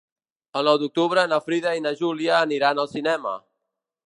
El nou d'octubre na Frida i na Júlia aniran al cinema.